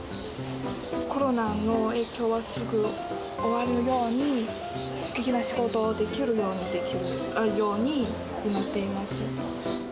コロナの影響は、すぐ終わるように、すてきな仕事できるように祈っています。